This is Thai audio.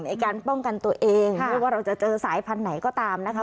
ในการป้องกันตัวเองไม่ว่าเราจะเจอสายพันธุ์ไหนก็ตามนะคะ